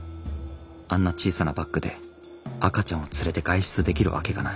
あんな小さなバッグで赤ちゃんを連れて外出できるわけがない。